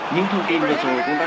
những thông tin vừa rồi cũng đã